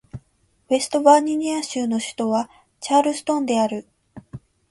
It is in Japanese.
ウェストバージニア州の州都はチャールストンである